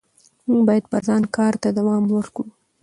موږ باید پر ځان کار ته دوام ورکړو